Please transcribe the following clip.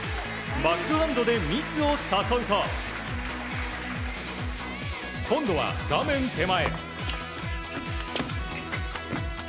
バックハンドでミスを誘うと今度は、画面手前。